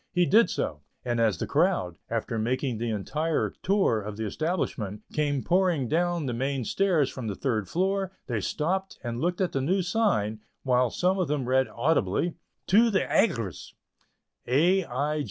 He did so, and as the crowd, after making the entire tour of the establishment, came pouring down the main stairs from the third story, they stopped and looked at the new sign, while some of them read audibly: "To the Aigress."